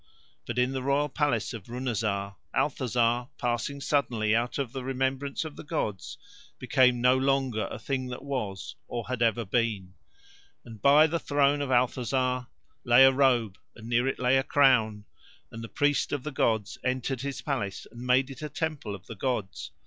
But in the royal palace of Runazar, Althazar, passing suddenly out of the remembrance of the gods, became no longer a thing that was or had ever been. And by the throne of Althazar lay a robe, and near it lay a crown, and the priests of the gods entered his palace and made it a temple of the gods.